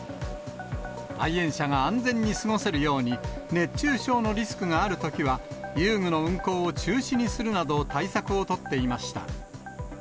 来園者が安全に過ごせるように、熱中症のリスクがあるときは遊具の運行を中止にするなど、対策を取っていました。